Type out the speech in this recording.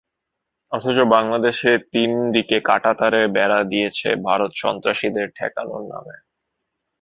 অথচ বাংলাদেশের তিন দিকে কাঁটাতারের বেড়া দিয়েছে ভারত সন্ত্রাসীদের ঠেকানোর নামে।